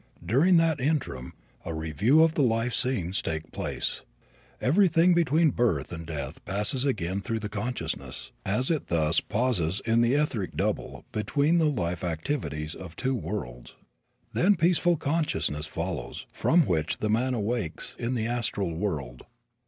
During that interim a review of the life scenes takes place. Everything between birth and death passes again through the consciousness, as it thus pauses in the etheric double, between the life activities of two worlds. Then peaceful unconsciousness follows, from which the man awakes in the astral world.